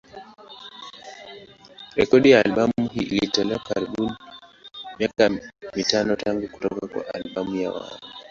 Rekodi ya albamu hii ilitolewa karibuni miaka mitano tangu kutoka kwa albamu ya awali.